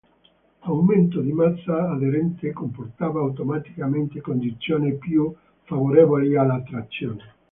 L'aumento di massa aderente comportava, automaticamente, condizioni più favorevoli alla trazione.